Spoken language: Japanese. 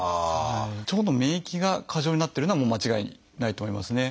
腸の免疫が過剰になってるのはもう間違いないと思いますね。